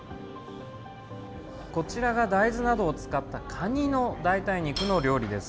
こちらが大豆などを使ったカニの代替肉の料理です。